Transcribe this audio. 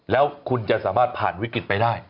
แล้วคุณจะสามารถผ่านวิกฤตไปได้